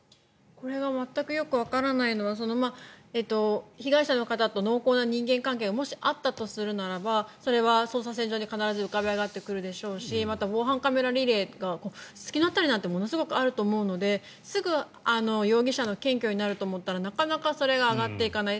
これが全くよくわからないのは被害者の方と濃厚な人間関係がもしあったとするならばそれは捜査線上に必ず浮かび上がってくるでしょうしまた防犯カメラリレーとかすすきの辺りなんてものすごくあると思うのですぐ容疑者の検挙になると思ったらなかなかそれが上がっていかない。